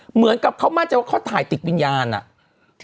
เหมือนกับเขามั่นใจว่าเขาถ่ายติดวิญญาณอ่ะ